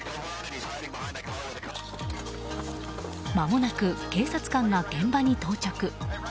まもなく警察官が現場に到着。